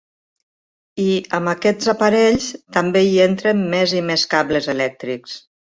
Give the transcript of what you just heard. I, amb aquests aparells, també hi entren més i més cables elèctrics.